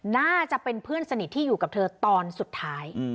น่าจะเป็นเพื่อนสนิทที่อยู่กับเธอตอนสุดท้าย